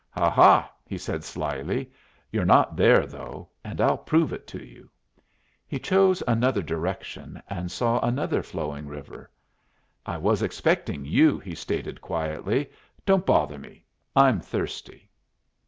"Ha, ha!" he said, slyly; "you're not there, though. And I'll prove it to you." He chose another direction, and saw another flowing river. "I was expecting you," he stated, quietly. "Don't bother me. I'm thirsty."